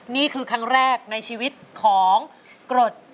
นี่คือครั้งแรกในชีวิตของกรด